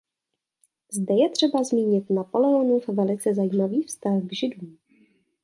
Zde je třeba zmínit Napoleonův velice zajímavý vztah k Židům.